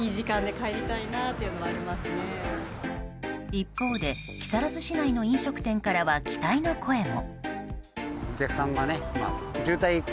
一方で、木更津市内の飲食店からは期待の声も。